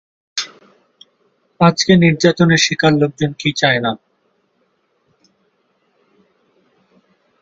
আজকে নির্যাতনের শিকার লোকজন কি চায় না?